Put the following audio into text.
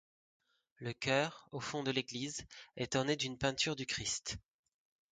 Le chœur, au fond de l'église, est orné d'une peinture du Christ.